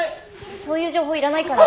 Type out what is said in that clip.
そういう情報いらないから。